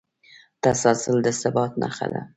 تسلسل د ثبات نښه ده.